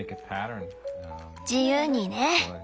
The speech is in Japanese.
自由にね。